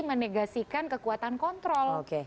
menegasikan kekuatan kontrol